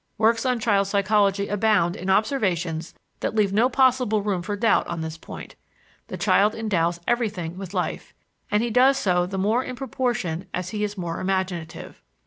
Works on child psychology abound in observations that leave no possible room for doubt on this point. The child endows everything with life, and he does so the more in proportion as he is more imaginative.